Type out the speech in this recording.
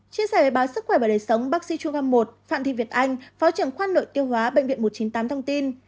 chia sẻ với báo sức khỏe và đời sống bác sĩ trung tâm một phạm thị việt anh phó trưởng khoa nội tiêu hóa bệnh viện một trăm chín mươi tám thông tin